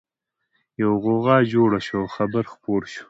يوه غوغا جوړه شوه او خبر خپور شو